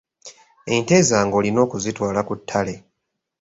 Ente zange olina okuzitwala ku ttale.